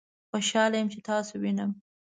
خوشحاله یم چې تاسو وینم